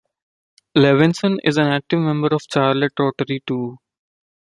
Levinson is an active member of Charlotte Rotary, too.